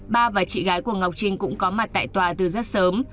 ba và chị gái của ngọc trinh cũng có mặt tại tòa từ rất sớm